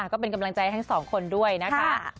ก็เป็นกำลังใจทั้งสองคนด้วยนะคะ